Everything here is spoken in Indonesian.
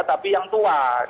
tapi yang tua